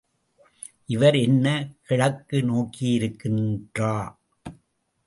இவர் என்ன கிழக்கு நோக்கியிருக்கின்றா?